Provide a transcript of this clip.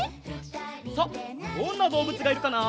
さあどんなどうぶつがいるかな？